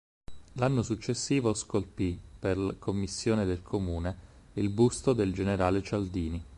L'anno successivo, scolpì, per commissione del Comune, il busto del generale Cialdini.